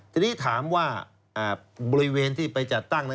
ทีนี้ถามว่าบริเวณที่ไปจัดตั้ง